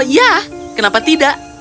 ya kenapa tidak